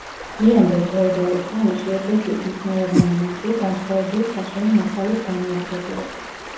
გვიანდელ ფეოდალურ ხანაში ეკლესიის მნიშვნელოვანი ნაწილი განსხვავებული საშენი მასალით განუახლებიათ.